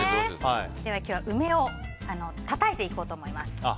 では今日は梅をたたいていこうと思います。